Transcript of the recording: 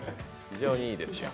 非常にいいですよ。